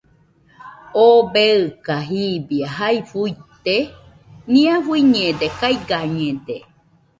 ¿Oo beika jibie jae fuite?nia fuiñede, kaigañede.